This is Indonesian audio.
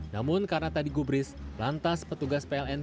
namun karena tadi gubris lantas petugas pln kembali